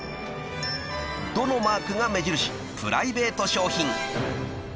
［「ド」のマークが目印プライベート商品］